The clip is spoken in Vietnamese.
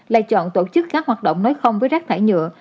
lại chọn tổ chức các hoạt động nói không với rác thải nhựa